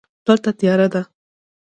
دلته تیاره ده.